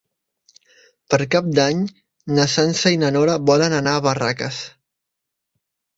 Per Cap d'Any na Sança i na Nora volen anar a Barraques.